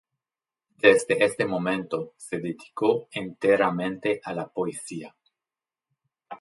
Desde este momento se dedicó enteramente a la poesía.